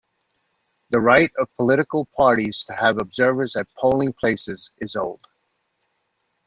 The right of political parties to have observers at polling places is old.